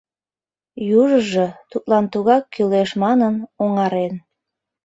Южыжо, «тудлан тугак кӱлеш» манын, оҥарен.